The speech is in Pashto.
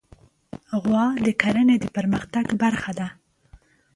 غوا د کرهڼې د پرمختګ برخه ده.